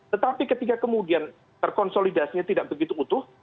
tetapi ketika kemudian terkonsolidasinya tidak begitu utuh